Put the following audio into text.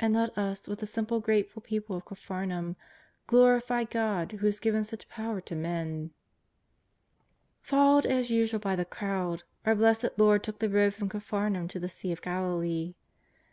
And let us with the simple grateful people of Caphar naum glorify God who has given such power to men. Followed as usual by the crowd, our Blessed Lord took the road from Capharnaum to the Sea of Galilee.